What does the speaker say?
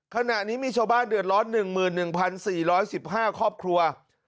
ขณะนี้มีชาวบ้านเดือดร้อน๑๑๔๑๕ครอบครัว